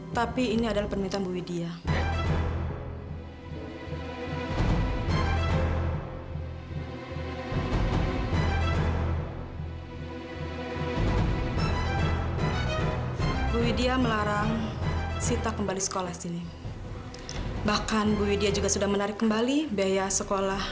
tidak ada yang bisa dibayar